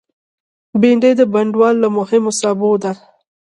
بېنډۍ د بڼوال له مهمو سابو ده